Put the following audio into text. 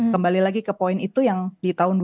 kembali lagi ke poin itu yang di tahun dua ribu dua